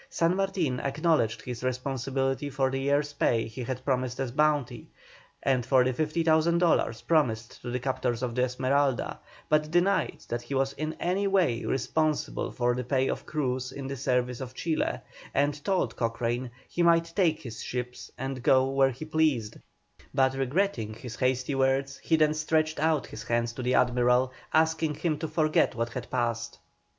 San Martin acknowledged his responsibility for the year's pay he had promised as bounty, and for the 50,000 dollars promised to the captors of the Esmeralda, but denied that he was in any way responsible for the pay of crews in the service of Chile, and told Cochrane he might take his ships and go where he pleased, but regretting his hasty words, he then stretched out his hand to the Admiral, asking him to forget what had passed.